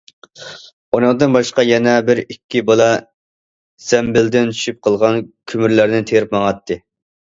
ئۇنىڭدىن باشقا يەنە بىر ئىككى بالا زەمبىلدىن چۈشۈپ قالغان كۆمۈرلەرنى تېرىپ ماڭاتتى.